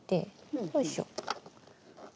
よいしょ。